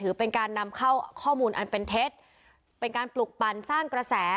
ถือเป็นการนำเข้าข้อมูลอันเป็นเท็จเป็นการปลุกปั่นสร้างกระแส